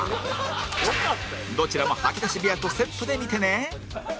どちらも吐き出し部屋とセットで見てね